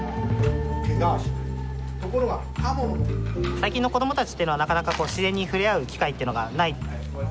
最近の子供たちっていうのはなかなか自然に触れ合う機会っていうのがない。